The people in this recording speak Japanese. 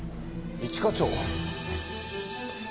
一課長。